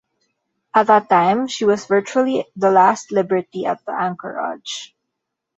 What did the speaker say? At that time, she was virtually the last Liberty at the anchorage.